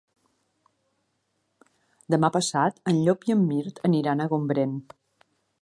Demà passat en Llop i en Mirt iran a Gombrèn.